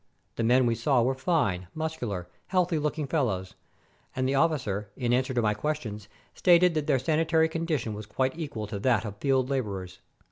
The men we saw were fine, muscular, healthy looking fel lows, and the officer, in answer to my questions, stated that their sanitary condition was quite equal to that of field laborers.